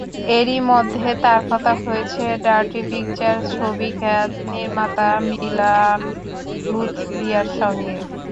এরই মধ্যে তাঁর কথা হয়েছে ডার্টি পিকচার ছবিখ্যাত নির্মাতা মিলান লুথরিয়ার সঙ্গে।